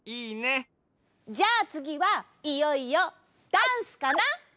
じゃあつぎはいよいよダンスかな！